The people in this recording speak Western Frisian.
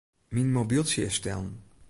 Myn mobyltsje is stellen.